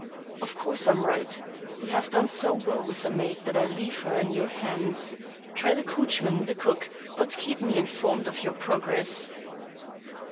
"Of course I am right. You have done so well with the maid that I leave her in your hands. Try the coachman and the cook. But keep me informed of your progress."